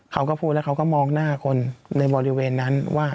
เขาก็พูดแล้วเขาก็มองหน้าคนในบริเวณนั้นว่า